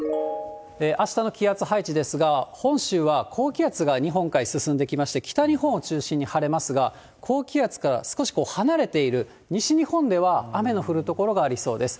あしたの気圧配置ですが、本州は高気圧が日本海進んできまして、北日本を中心に晴れますが、高気圧から少し離れている西日本では雨の降る所がありそうです。